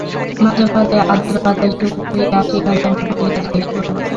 মাঝে মাঝে আর্দ্র বাতাস হুহু করিয়া আসিয়া যেন বলিয়া যায়, সুরমা কোথায়!